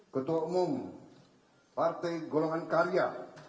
ketua umum partai golongan karya